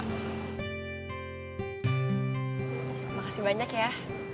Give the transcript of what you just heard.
terima kasih banyak ya